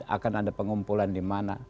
akan ada pengumpulan di mana